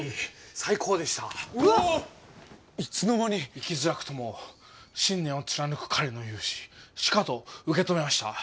生きづらくとも信念を貫く彼の雄姿しかと受け止めました。